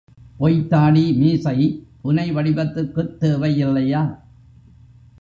பொய்த்தாடி, மீசை, புனைவடிவத்துக்குத் தேவையில்லையா?